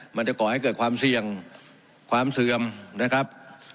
จะก่อให้เกิดความเสี่ยงความเสื่อมนะครับ